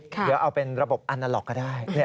เดี๋ยวเอาเป็นระบบอันนาล็อกก็ได้